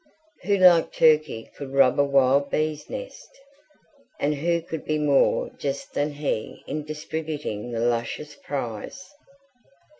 Who like Turkey could rob a wild bee's nest? And who could be more just than he in distributing the luscious prize?